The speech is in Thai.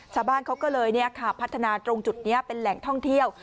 ชาวบ้านเขาก็เลยพัฒนาตรงจุดนี้เป็นแหล่งท่องเที่ยว